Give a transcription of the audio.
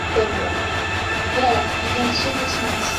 格林海德是德国勃兰登堡州的一个市镇。